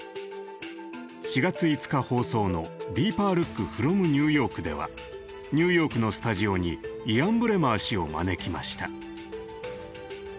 ４月５日放送の「ＤＥＥＰＥＲＬＯＯＫｆｒｏｍＮｅｗＹｏｒｋ」ではニューヨークのスタジオにイアン・ブレマー氏を招きました。